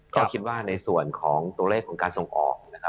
ก็คิดว่าในส่วนของตัวเลขของการส่งออกนะครับ